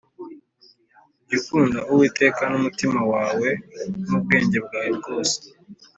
Jyu kunda uwiteka n’umutima wawe n’ubwenge bwawe bwose